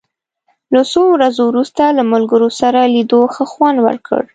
له څو ورځو وروسته له ملګرو سره لیدو ښه خوند وکړ.